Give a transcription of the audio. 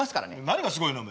何がすごいの？